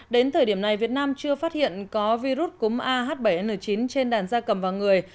đến thời điểm này việt nam chưa phát hiện có virus cúm ah bảy n chín trên đàn da cầm và người